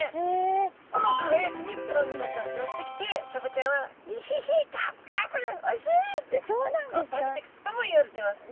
この輝きにプランクトンちゃんが寄ってきてサバちゃんは「いひひがぶがぶおいしい」って食べてるともいわれてます。